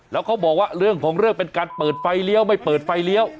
แล้วเขาบอกว่าเรื่องของเรื่องเป็นการเปิดไฟเลี้ยวไม่เปิดไฟเลี้ยว